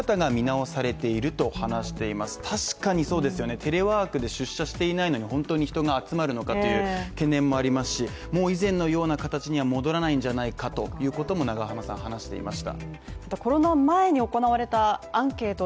テレワークで出社していないのに本当に人が集まるのかという懸念もありますし、もう以前のような形には戻らないんじゃないかということも永濱さん話していました。